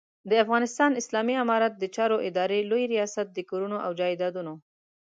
د افغانستان اسلامي امارت د چارو ادارې لوی رياست د کورونو او جایدادونو